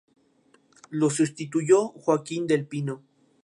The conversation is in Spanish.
Lo sustituyó Joaquín del Pino.